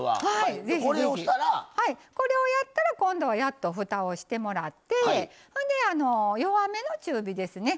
これをやったらふたをしてもらってほいで、弱めの中火ですね。